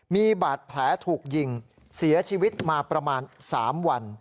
มีบาดแผลถูกยิงเสียชีวิตมาประมาณ๓วัน